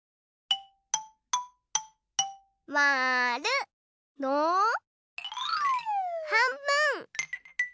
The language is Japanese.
まる。のはんぶん！